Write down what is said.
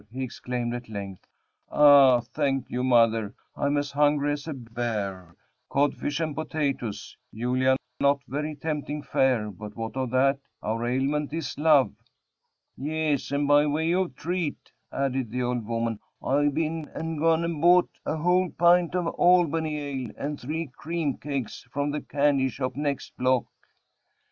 he exclaimed at length; "ah! thank you, mother; I'm as hungry as a bear. Codfish and potatoes, Julia not very tempting fare but what of that? our aliment is love!" "Yes, and by way of treat," added the old woman, "I've been and gone and bought a whole pint of Albany ale, and three cream cakes, from the candy shop next block."